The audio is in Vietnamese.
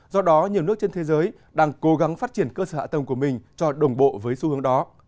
do đó nhiều nước trên thế giới đang cố gắng phát triển cơ sở hạ tầng của mình cho đồng bộ với xu hướng đó